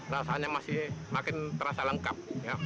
rasanya masih makin terasa lengkap